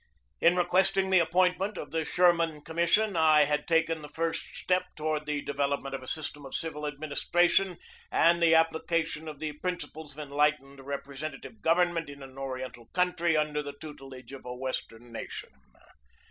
In requesting the appointment of the Schurman commission I had taken the first step toward the development of a system of civil administration and the application of the principles of enlightened rep resentative government in an Oriental country under the tutelage of a Western nation.